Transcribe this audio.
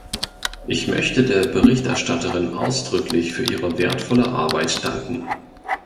Ich möchte der Berichterstatterin ausdrücklich für ihre wertvolle Arbeit danken.